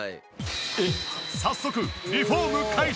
早速リフォーム開始。